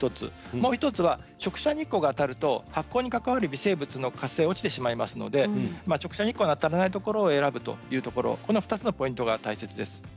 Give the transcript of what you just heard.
もう１つは直射日光が当たると発酵に関わる微生物の活性が落ちてしまいますので直射日光の当たらないところを選ぶというところこの２つのポイントが大切です。